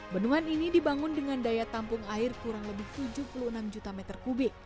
bendungan ini dibangun dengan daya tampung air kurang lebih tujuh puluh enam juta meter kubik